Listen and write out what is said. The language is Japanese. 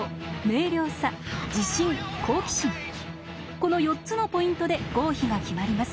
この４つのポイントで合否が決まります。